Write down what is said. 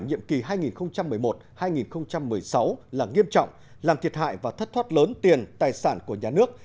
nhiệm kỳ hai nghìn một mươi một hai nghìn một mươi sáu là nghiêm trọng làm thiệt hại và thất thoát lớn tiền tài sản của nhà nước